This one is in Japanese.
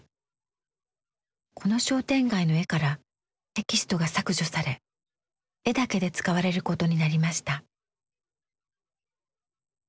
この商店街の絵からテキストが削除され絵だけで使われることになりました。